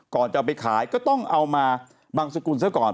ก่อนจะเอาไปขายก็ต้องเอามาบังสกุลซะก่อน